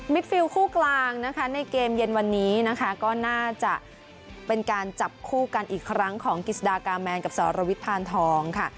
ฟิลคู่กลางนะคะในเกมเย็นวันนี้นะคะก็น่าจะเป็นการจับคู่กันอีกครั้งของกิจสดากาแมนกับสรวิทพานทองค่ะ